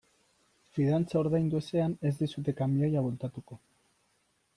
Fidantza ordaindu ezean ez dizute kamioia bueltatuko.